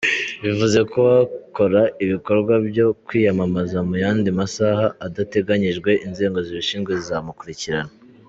Bivuze ko uwakora ibikorwa byo kwiyamamaza mu yandi masaha adateganyijwe, inzego zibishinzwe zizamukurikirana.